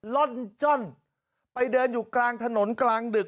ล่อนจ้อนไปเดินอยู่กลางถนนกลางดึก